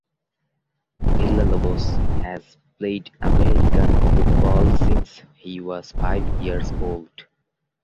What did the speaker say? Villalobos has played American football since he was five years old.